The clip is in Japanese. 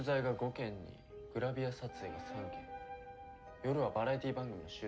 夜はバラエティー番組の収録だよ。